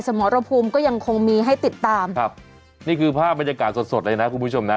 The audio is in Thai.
สมรภูมิก็ยังคงมีให้ติดตามครับนี่คือภาพบรรยากาศสดสดเลยนะคุณผู้ชมนะ